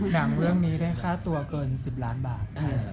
หนังเรื่องนี้ได้ค่าตัวเกิน๑๐ล้านบาท